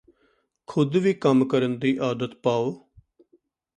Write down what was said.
ਖੁਦ ਵੀ ਕੰਮ ਕਰਨ ਦੀ ਆਦਤ ਪਾਓ